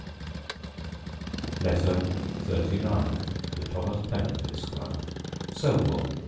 Letter XXXIX To Thomas Pennant, Esquire Selborne, Nov.